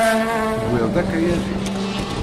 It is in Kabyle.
Tewwiḍ-d akayad-ik?